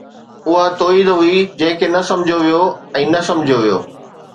اها توحيد هئي جنهن کي نه سمجھيو ويو ۽ نه سمجھيو ويو